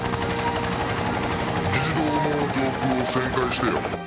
「議事堂の上空を旋回してよ。